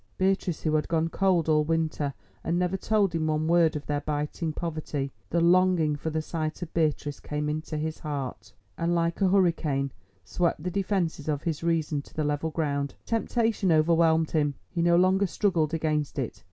Beatrice who had gone cold all winter and never told him one word of their biting poverty—the longing for the sight of Beatrice came into his heart, and like a hurricane swept the defences of his reason to the level ground. Temptation overwhelmed him; he no longer struggled against it.